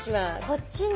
こっちに。